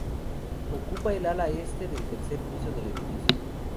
Ocupa el ala este del tercer piso del edificio.